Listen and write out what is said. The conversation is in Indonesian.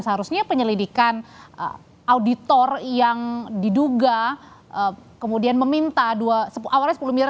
seharusnya penyelidikan auditor yang diduga kemudian meminta awalnya sepuluh miliar